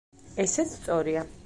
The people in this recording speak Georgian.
ესეც სწორია.